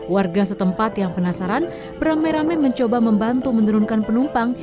warga setempat yang penasaran beramai ramai mencoba membantu menurunkan penumpang